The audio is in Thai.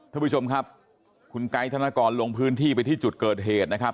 ท่านผู้ชมครับคุณไกด์ธนกรลงพื้นที่ไปที่จุดเกิดเหตุนะครับ